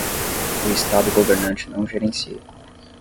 O estado governante não gerencia.